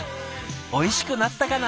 おいしくなったかな？